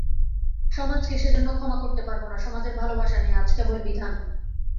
সমাজকে সেজন্য ক্ষমা করতে পারব না, সমাজের ভালোবাসা নেই, আছে কেবল বিধান।